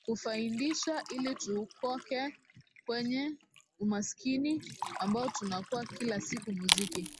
kufaindisha ili tukoke kwenye umaskini ambao tunakua kila siku muziki